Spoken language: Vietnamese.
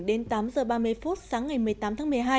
đến tám h ba mươi phút sáng ngày một mươi tám tháng một mươi hai